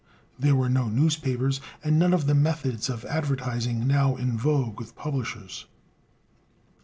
There were no newspapers, and none of the methods of advertising now in vogue with publishers.